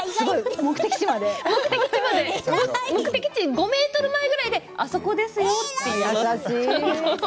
目的地５ｍ前ぐらいであそこですよって。